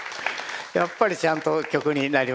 やっぱりちゃんと曲になりましたね。